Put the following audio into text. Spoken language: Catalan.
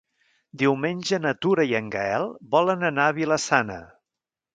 Diumenge na Tura i en Gaël volen anar a Vila-sana.